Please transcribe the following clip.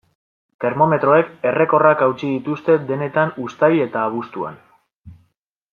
Termometroek errekorrak hautsi dituzte denetan uztail eta abuztuan.